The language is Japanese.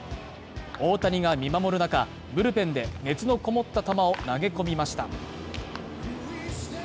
大谷が見守る中、ブルペンで熱のこもった球を投げ込みました。